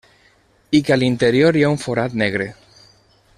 I que a l'interior hi ha un forat negre.